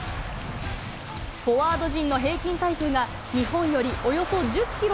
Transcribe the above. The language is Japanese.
フォワード陣の平均体重が日本よりおよそ１０キロ